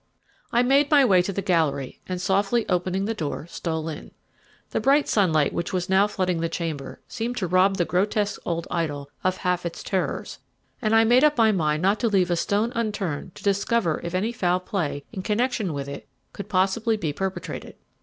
I made my way to the gallery, and softly opening the door, stole in. The bright sunlight which was now flooding the chamber seemed to rob the grotesque old idol of half its terrors, and I made up my mind not to leave a stone unturned to discover if any foul play in connection with it could possibly be perpetrated.